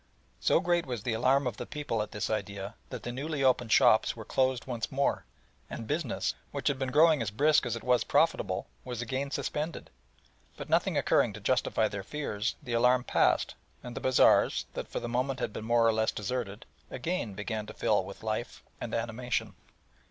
So great was the alarm of the people at this idea that the newly opened shops were closed once more, and business, which had been growing as brisk as it was profitable, was again suspended; but nothing occurring to justify their fears, the alarm passed, and the bazaars, that for the moment had been more or less deserted, again began to fill with life and animation.